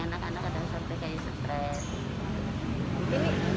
anak anak kadang sampai kayak stres